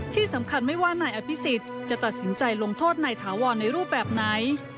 ที่สำคัญไม่ว่านายอภิษฎจะตัดสินใจลงโทษนายถาวรในรูปแบบไหน